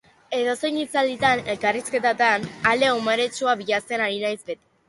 Edozein hitzalditan, elkarrizketetan, alde umoretsua bilatzen ari naiz beti.